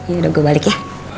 yaudah gue balik ya